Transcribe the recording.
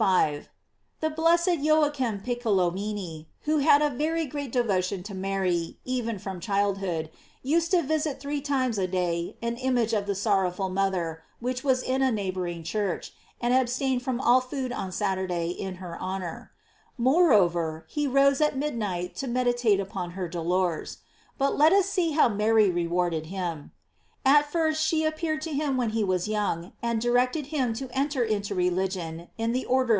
— The blessed Joachim Piccolomini, who had a very great devotion to Mary, even from childhood, used to visit three times a day an image of the sorrowful mother, which was in a neighboring church, and abstained from all food on Saturday in her honor. Moreover, he rose at midnight to meditate upon her dolors. But let us see how Mary rewarded him. At first she appeared to him when he was young, and directed him to enter into religion in the order * P. Kecup. de Sign. Fruct. Sign. IS. 724 GLORIES OF MAEY.